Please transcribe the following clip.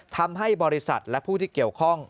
ทำให้บริษัทและผู้ที่เกี่ยวข้อง